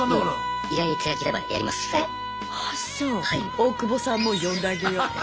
大久保さんも呼んであげよう。